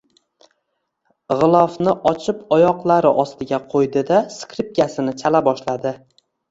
Gʻilofni ochib oyoqlari ostiga qoʻydi-da, skripkasini chala boshladi